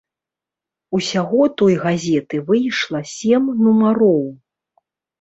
Усяго той газеты выйшла сем нумароў.